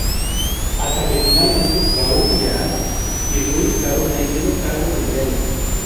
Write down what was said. Hasta que finalmente, Raúl Villarán y Ruiz Caro, se hicieron cargo del diario.